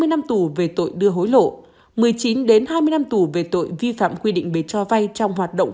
hai mươi năm tù về tội đưa hối lộ một mươi chín đến hai mươi năm tù về tội vi phạm quy định bề cho vai trong hoạt động